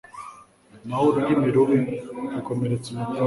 naho ururimi rubi rukomeretsa umutima